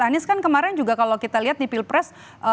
anies kan kemarin juga kalau kita lihat di pilpres